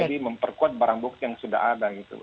jadi memperkuat barang bukti yang sudah ada gitu